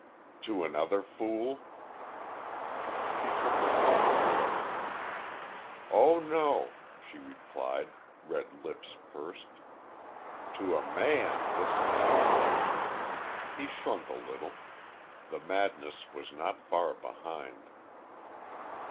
"To another fool?" She shook her head, merrily. "Oh, no," she replied, red lips pursed. "To a man this time." He shrunk a little. The madness was not far behind.